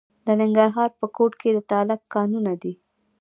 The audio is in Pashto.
د ننګرهار په کوټ کې د تالک کانونه دي.